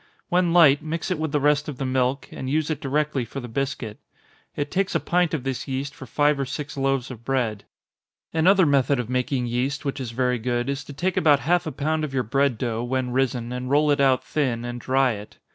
When light, mix it with the rest of the milk, and use it directly for the biscuit. It takes a pint of this yeast for five or six loaves of bread. Another method of making yeast, which is very good, is to take about half a pound of your bread dough, when risen, and roll it out thin, and dry it.